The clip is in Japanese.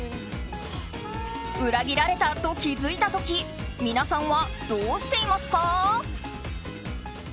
裏切られたと気づいた時皆さんはどうしていますか？